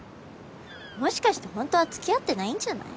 もしかしてホントは付き合ってないんじゃない？